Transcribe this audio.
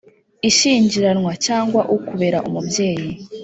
ishyingiranwa cyangwa ukubera umubyeyi